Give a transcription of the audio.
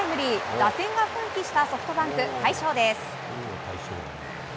打線が奮起したソフトバンク快勝です。